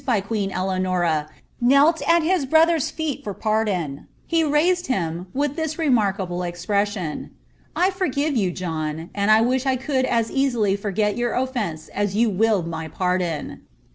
intrcxlucetl by queen Eleanors^ knelt at his brother's feel for par^oni (m raised him, with this remarkable exprvpsion :" I ftvgive yon, John, aad I wibIi 1 coald as eaaily forget your oflence as yon will my panJon."